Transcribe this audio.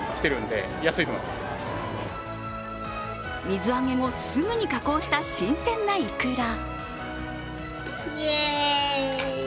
水揚げ後、すぐに加工した新鮮ないくら。